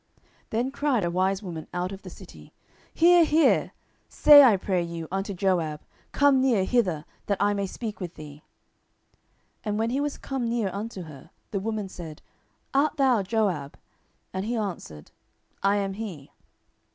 10:020:016 Then cried a wise woman out of the city, Hear, hear; say, I pray you, unto Joab, Come near hither, that I may speak with thee. 10:020:017 And when he was come near unto her, the woman said, Art thou Joab? And he answered, I am he.